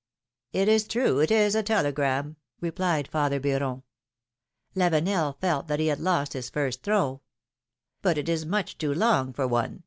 ^^ It is true, it is a telegram,^^ replied father Beuron. Laveuel felt that he had lost the first throw. But it is much too long for one